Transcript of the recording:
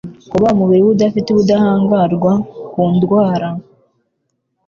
Kuba umubiri we udafite ubudahangarwa ku ndwara